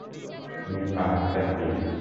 আমি পাহাড়টা চিনি!